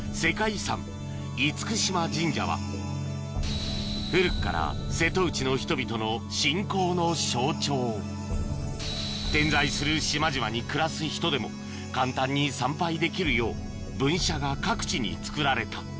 遺産厳島神社は古くから瀬戸内の人々の信仰の象徴点在する島々に暮らす人でも簡単に参拝できるよう分社が各地につくられた